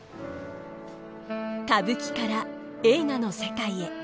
歌舞伎から映画の世界へ。